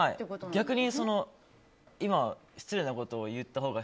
逆に今失礼なことを言ったほうが